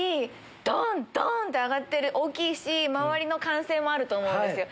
ドン！って上がって大きいし周りの歓声もあると思うんですよ。